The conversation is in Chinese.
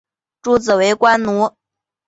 诸子为官奴。